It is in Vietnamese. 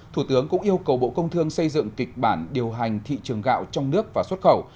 thủ tướng cũng yêu cầu bộ công thương xây dựng kịch bản điều hành thị trường gạo trong nước và xuất khẩu